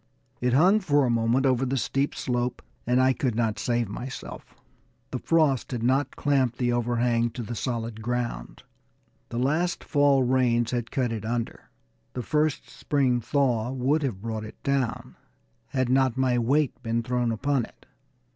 It hung for a moment over the steep slope, and I could not save myself. The frost had not clamped the over hang to the solid ground. The last fall rains had cut it under; the first spring thaw would have brought it down, had not my weight been thrown upon it.